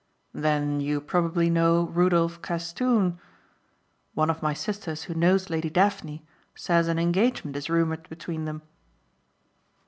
"Then you probably know Rudolph Castoon. One of my sisters who knows Lady Daphne says an engagement is rumoured between them."